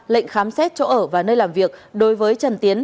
lệnh khám xét chỗ ở và nơi làm việc đối với trần tiến